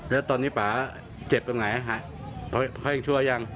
อ๋อแล้วตอนนี้ป่าเจ็บยังไงอะฮะเขายังชั่วยัง